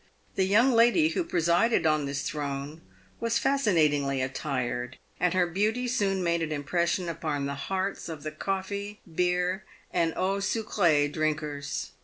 The young lady who presided on this throne was fascinatingly attired, and her beauty soon made an impression upon the hearts of the coffee, beer, and eau sucr£e drinkers.